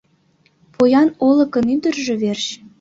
Поян Олыкын ӱдыржӧ верч